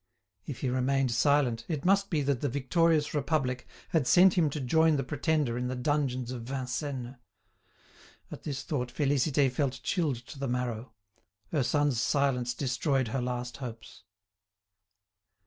If he remained silent, it must be that the victorious Republic had sent him to join the pretender in the dungeons of Vincennes. At this thought Félicité felt chilled to the marrow; her son's silence destroyed her last hopes.